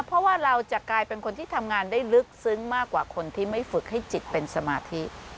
เพราะว่าเราจะกลายเป็นคนที่ทำงานได้ลึกซึ้งมากกว่าคนที่ไม่ฝึกให้จิตเป็นสมาธิ